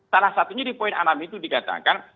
salah satunya di poin enam itu dikatakan